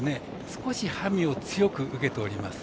少しハミを強く受けております。